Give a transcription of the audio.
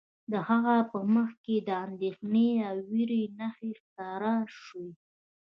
د هغه په مخ کې د اندیښنې او ویرې نښې ښکاره شوې